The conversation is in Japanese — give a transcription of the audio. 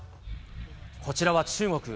こちらは中国。